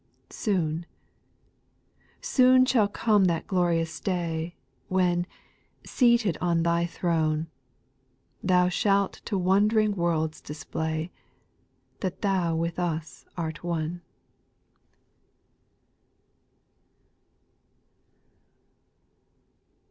5. Soon, soon shall come that glorious day, When, seated on Thy throne. Thou shalt to wond'ring worlds display That Thou with us art one.